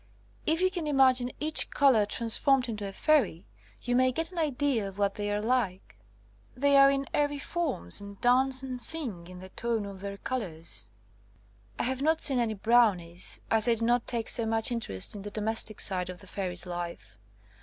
If you can imagine each colour trans formed into a fairy you may get an idea of what they are like. They are in airy forms 169 THE COMING OF THE FAIRIES and dance and sing in the tone of their col ours. I have not seen any browTiies, as I do not take so much interest in the domestic side of the fairies' life.